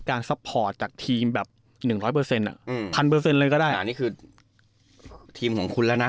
อ่านี่คือทีมของคุณละนะ